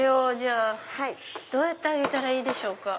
どうやってあげたらいいでしょうか？